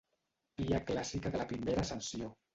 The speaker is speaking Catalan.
Via clàssica de la primera ascensió.